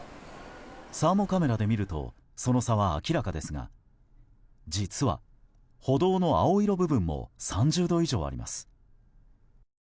サーモカメラで見るとその差は明らかですが実は歩道の青色部分も３０度以上あります。